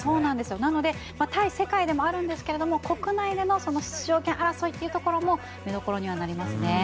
なので対世界でもあるんですけど国内の出場権争いも見どころにはなりますね。